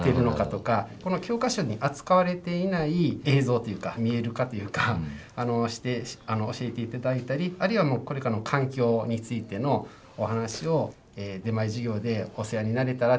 この教科書に扱われていない映像というか見える化というかして教えて頂いたりあるいはこれからの環境についてのお話を出前授業でお世話になれたらって。